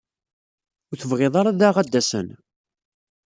Ur tebɣid ara daɣ ad d-asen?